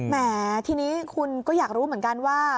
แหมทีนี้คุณก็อยากรู้เหมือนกันว่า